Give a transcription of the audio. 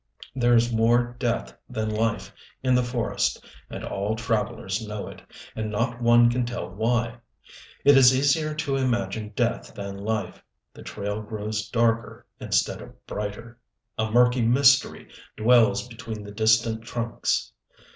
There is more death than life in the forest, and all travelers know it, and not one can tell why. It is easier to imagine death than life, the trail grows darker instead of brighter, a murky mystery dwells between the distant trunks....